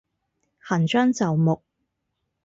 行將就木